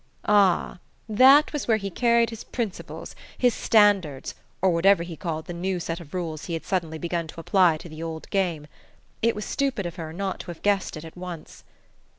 Ah, that was where he carried his principles, his standards, or whatever he called the new set of rules he had suddenly begun to apply to the old game! It was stupid of her not to have guessed it at once.